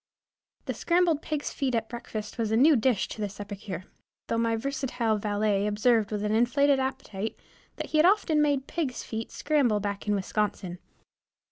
The scrambled pigs' feet at breakfast was a new dish to this epicure, though my versatile valet observed with an inflated appetite, that he had often made pigs' feet scramble back in Wisconsin.